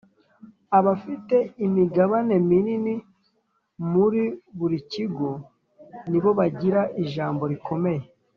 Abafite imigabane minini muri buri kigo ni bo bagira ijambo rikomeye